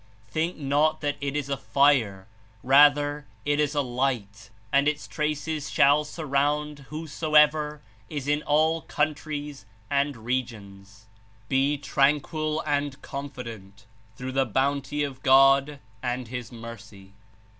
Think not that it is a fire, rather it is Light, and its traces shall surround whosoever is in all countries and regions. Be tran quil and confident through the Bounty of God and His Mercy."